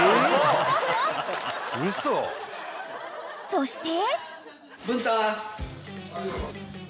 ［そして］